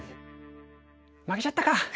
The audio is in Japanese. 負けちゃったか。